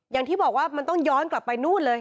อย่างที่บอกว่ามันต้องย้อนกลับไปนู่นเลย